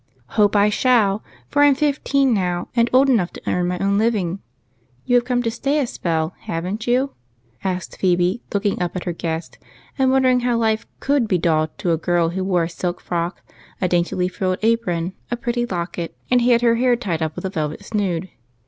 " Hope I shall ; for I 'm fifteen now, and old enough to earn my own living. You have come to stay a spell, haven't you?" asked Phebe, looking up at her guest and wondering how life could be dull to a girl who wore a silk frock, a daintily frilled apron, a pretty locket, and had her hair tied up with a velvet snood.